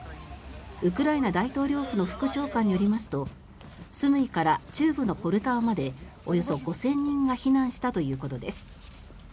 ウクライナ大統領府の副長官によりますとスムイから中部のポルタワまでおよそ５０００人が避難したということです。